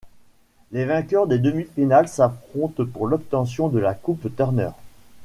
Les vainqueurs des demi-finales s'affrontent pour l'obtention de la Coupe Turner.